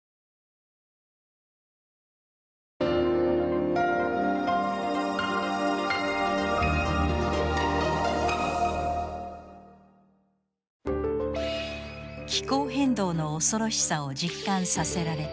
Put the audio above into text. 気候変動の恐ろしさを実感させられた今年の夏。